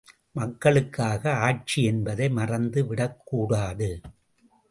மக்களுக்காக ஆட்சி என்பதை மறந்து விடக்கூடாது.